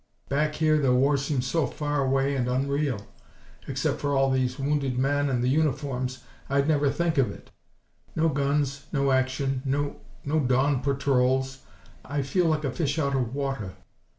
Back here the war seems so far away and unreal. Except for all these wounded men, and the uniforms, I'd never think of it. No guns, no action, no no dawn patrols. I feel like a fish out of water.